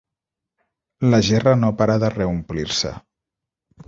La gerra no para de reomplir-se.